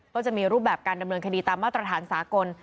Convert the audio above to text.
ก็จะมีรูปแบบการดำเนินคดีตามมาตรฐานสากล